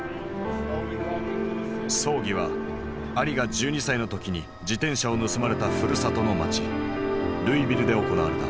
葬儀はアリが１２歳の時に自転車を盗まれたふるさとの町ルイビルで行われた。